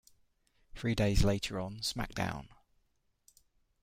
Three days later on SmackDown!